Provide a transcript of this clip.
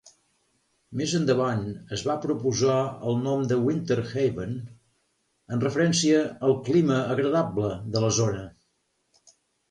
Més endavant es va proposar el nom de Winter Haven, en referència al clima agradable de la zona.